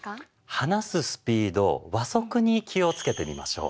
話すスピード「話速」に気をつけてみましょう。